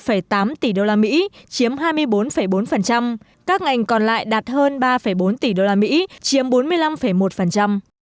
chế tạo đạt hơn một tám tỷ usd chiếm hai mươi bốn bốn các ngành còn lại đạt hơn ba bốn tỷ usd chiếm bốn mươi năm một